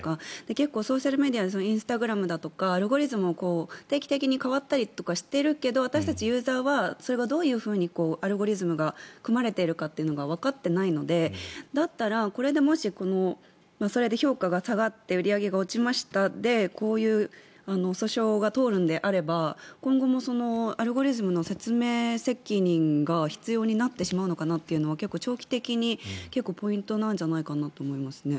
結構、ソーシャルメディアインスタグラムとかでアルゴリズムが定期的に変わったりとかしているけれど私たちユーザーはそれがどのようにアルゴリズムが組まれているかってわかっていないのでだったらこれでもしそれで評価が下がって売り上げが落ちましたでこういう訴訟が通るのであれば今後もアルゴリズムの説明責任が必要になってしまうのかなというのは結構、長期的にポイントなんじゃないかなと思いますね。